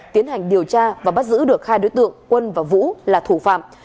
tiến hành điều tra và bắt giữ được hai đối tượng quân và vũ là thủ phạm